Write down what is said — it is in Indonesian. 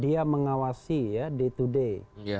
dia mengawasi ya day to day